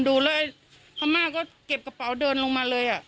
ดูแล้วไอ้พม่าก็เก็บกระเป๋าเดินลงมาเลย